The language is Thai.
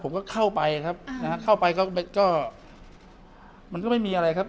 ผมก็เข้าไปนะครับเข้าไปก็ไม่มีอะไรครับ